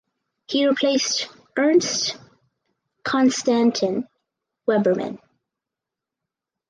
He replaced Ernst Constantin Weberman.